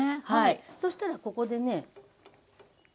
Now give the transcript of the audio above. そしたらここでね。